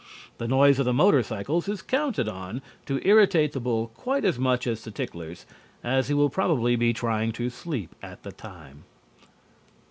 The noise of the motor cycles is counted on to irritate the bull quite as much as the ticklers, as he will probably be trying to sleep at the time.